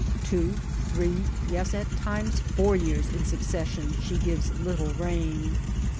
Two, three ; yes, at times, four years in succession she gives little rain.